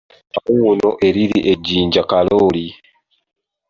Mawuuno eriri e Jjinja Kalooli.